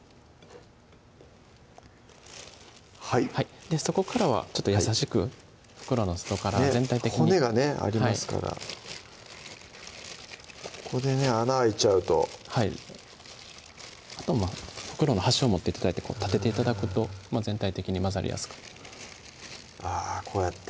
はいそこからは優しく袋の外から全体的に骨がねありますからここでね穴開いちゃうとはいあとは袋の端を持って頂いてこう立てて頂くと全体的に混ざりやすくあぁこうやって？